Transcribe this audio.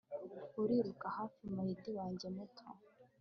Uriruka hafi Maid wanjye muto